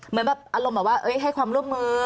เหมือนแบบอารมณ์แบบว่าให้ความร่วมมือ